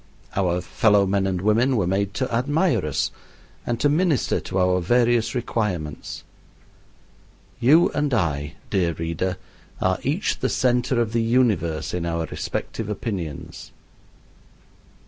Our fellow men and women were made to admire us and to minister to our various requirements. You and I, dear reader, are each the center of the universe in our respective opinions.